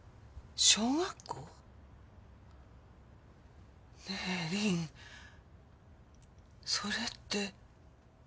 小学校？ねえりんそれって。